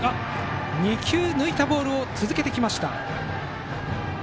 ２球、抜いたボールを続けました。